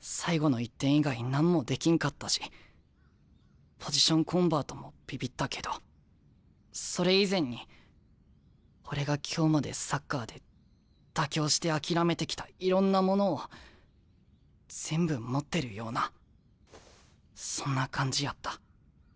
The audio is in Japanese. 最後の１点以外何もできんかったしポジションコンバートもビビったけどそれ以前に俺が今日までサッカーで妥協して諦めてきたいろんなものを全部持ってるようなそんな感じやった。